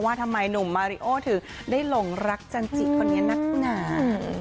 ทำไมหนุ่มมาริโอถึงได้หลงรักจันจิคนนี้นักกุหนา